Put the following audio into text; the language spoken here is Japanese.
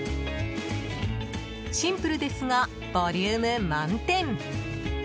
シンプルですがボリューム満点！